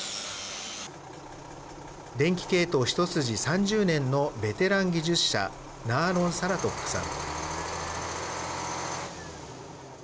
電気系統一筋３０年のベテラン技術者ナーロン・サラトックさん。